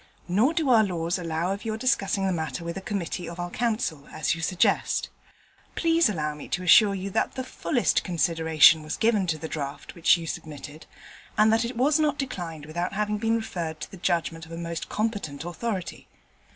Nor do our laws allow of your discussing the matter with a Committee of our Council, as you suggest. Please allow me to assure you that the fullest consideration was given to the draft which you submitted, and that it was not declined without having been referred to the judgement of a most competent authority.